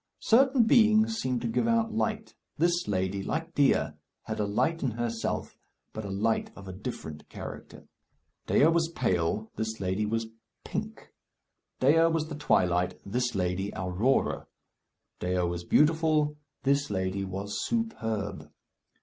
Certain beings seem to give out light. This lady, like Dea, had a light in herself, but a light of a different character. Dea was pale, this lady was pink. Dea was the twilight, this lady, Aurora. Dea was beautiful, this lady was superb.